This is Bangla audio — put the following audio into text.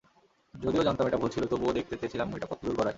যদিও জানতাম এটা ভুল ছিল, তবুও দেখতে চেয়েছিলাম এটা কতদূর গড়ায়।